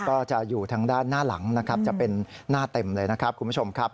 ก็จะอยู่ทางด้านหน้าหลังนะครับจะเป็นหน้าเต็มเลยนะครับ